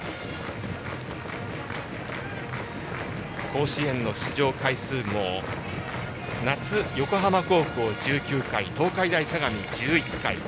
甲子園の出場回数も夏、横浜高校は１９回東海大相模１１回。